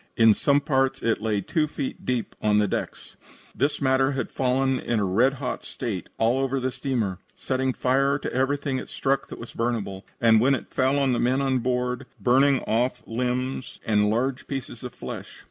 In some parts it lay two feet deep on the decks. This matter had fallen in a red hot state all over the steamer, setting fire to everything it struck that was burnable, and, when it fell on the men on board, burning off limbs and large pieces of flesh.